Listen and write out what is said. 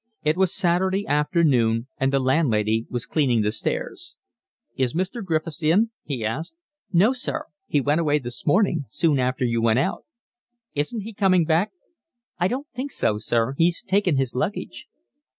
It was Saturday afternoon, and the landlady was cleaning the stairs. "Is Mr. Griffiths in?" he asked. "No, sir. He went away this morning, soon after you went out." "Isn't he coming back?" "I don't think so, sir. He's taken his luggage."